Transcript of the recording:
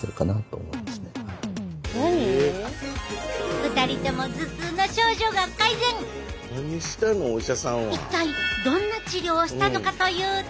２人とも一体どんな治療をしたのかというと。